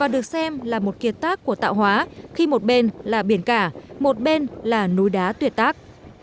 được xem là một kiệt tác của tạo hóa khi một bên là biển cả một bên là núi đá tuyệt tác